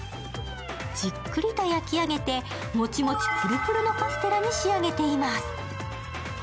じっくりと焼き上げて、もちもちぷるぷるのカステラに仕上げています。